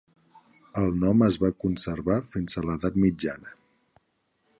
El nom es va conservar fins a l'edat mitjana.